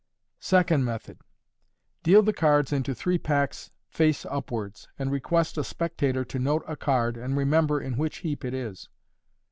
Second Method. — Deal the cards into three packs, face upwards, and request a spectator to note a card, and remember in which heap it is.